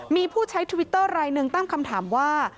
มีผู้ใช้ทวิตเตอร์รายหนึ่งตั้งคำถามว่า